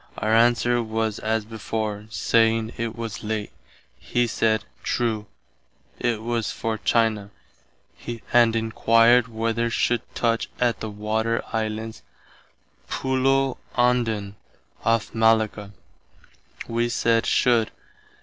Our answer was as before, saying it was late. He said, true, it was for China, and enquired whether should touch at the Water Islands [Pulo Ondan, off Malacca]. Wee said should.